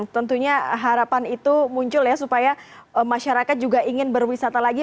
tentunya harapan itu muncul ya supaya masyarakat juga ingin berwisata lagi